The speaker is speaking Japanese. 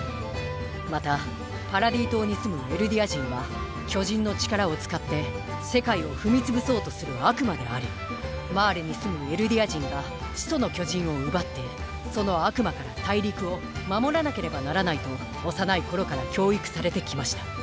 またパラディ島に住むエルディア人は巨人の力を使って世界を踏み潰そうとする悪魔でありマーレに住むエルディア人が「始祖の巨人」を奪ってその悪魔から大陸を守らなければならないと幼い頃から教育されてきました。